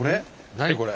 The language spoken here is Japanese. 何これ？